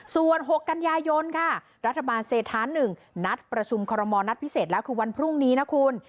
ส่วน๖กันยายนค่ะรัฐบาลเศรษฐาน๑นัดประชุมคอรมอลนัดพิเศษแล้วคือวันพรุ่งนี้นะคุณ